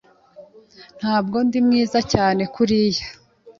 Ntabwo ndi mwiza cyane kuriyi.